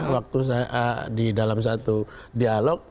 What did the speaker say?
waktu saya di dalam satu dialog